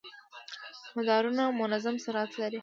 مدارونه منظم سرعت لري.